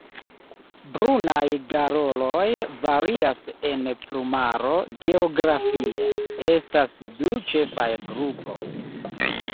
Brunaj garoloj varias en plumaro geografie: estas du ĉefaj grupoj.